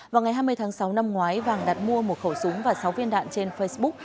vào ngày hai mươi tháng sáu năm ngoái vàng đặt mua một khẩu súng và sáu viên đạn trên facebook